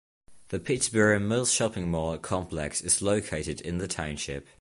The Pittsburgh Mills shopping mall complex is located in the township.